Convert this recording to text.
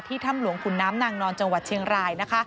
ถ้ำหลวงขุนน้ำนางนอนจังหวัดเชียงราย